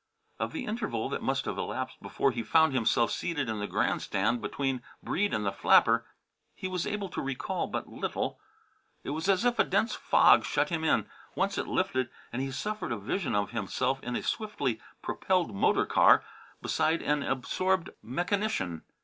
Of the interval that must have elapsed before he found himself seated in the grandstand between Breede and the flapper he was able to recall but little. It was as if a dense fog shut him in. Once it lifted and he suffered a vision of himself in a swiftly propelled motor car, beside an absorbed mechanician.